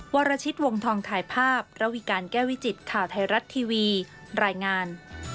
วรชิตวงทองถ่ายภาพระวิการแก้วิจิตข่าวไทยรัฐทีวีรายงาน